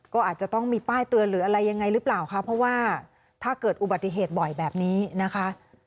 ก็อาจจะต้องมีป้ายเตือนหรืออะไรยังไงหรือเปล่าคะเพราะว่าถ้าเกิดอุบัติเหตุบ่อยแบบนี้นะคะ